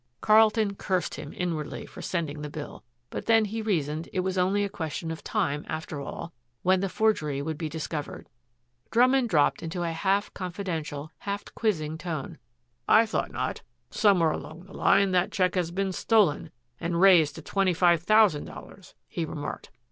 Carlton cursed him inwardly for sending the bill. But then, he reasoned, it was only a question of time, after all, when the forgery would be discovered. Drummond dropped into a half confidential, half quizzing tone. "I thought not. Somewhere along the line that check has been stolen and raised to twenty five thousand dollars," he remarked.